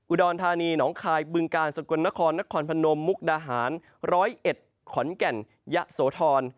อุดอนธานีหนองคายบึงการเสควรนครนครพรรณมมุคดาหาร๑๐๑ขวนแก็นยะโสธร